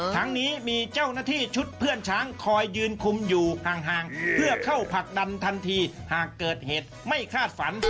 ทั้งนี้มีเจ้าหน้าที่ชุดเพื่อนช้างคอยยืนคุมอยู่ห่างเพื่อเข้าผลักดันทันทีหากเกิดเหตุไม่คาดฝัน